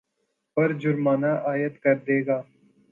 پر جرمانہ عاید کردے گا